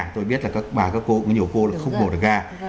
tôi biết là các bà các cô cũng nhiều cô là không mổ được ga